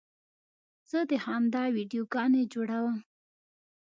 زه د خندا ویډیوګانې جوړوم.